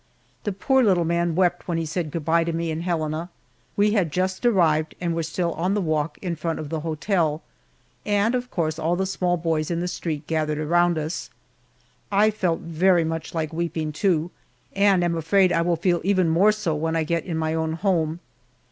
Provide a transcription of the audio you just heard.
The poor little man wept when he said good by to me in Helena. We had just arrived and were still on the walk in front of the hotel, and of course all the small boys in the street gathered around us. I felt very much like weeping, too, and am afraid I will feel even more so when I get in my own home.